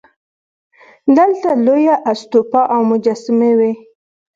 دلته لویه استوپا او مجسمې وې